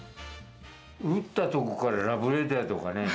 売った所からラブレターとかね。